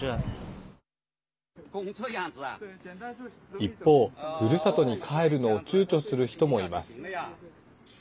一方、ふるさとに帰るのをちゅうちょする人もいます。